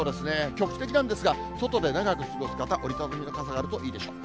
局地的なんですが、外で長く過ごす方、折り畳みの傘があるといいでしょう。